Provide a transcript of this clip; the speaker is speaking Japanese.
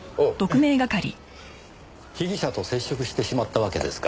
被疑者と接触してしまったわけですか。